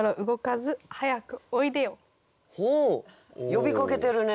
呼びかけてるね。